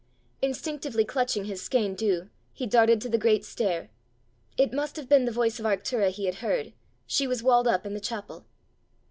Instinctively clutching his skene dhu, he darted to the great stair. It must have been the voice of Arctura he had heard! She was walled up in the chapel!